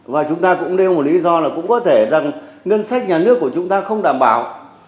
và chúng ta cũng nêu một lý do là cũng có thể rằng ngân sách nhà nước của chúng ta không đảm bảo